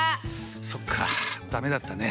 そっかダメだったね。